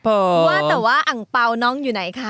เพราะว่าแต่ว่าอังเปล่าน้องอยู่ไหนคะ